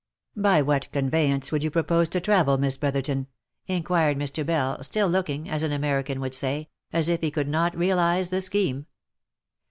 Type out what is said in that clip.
" By what conveyance would you propose to travel, Miss Brother ton?" inquired Mr. Bell, still looking, as an American would say, "as if he could not realize the scheme."